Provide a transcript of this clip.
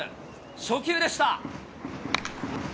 初球でした。